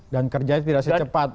dan kerjanya tidak secepat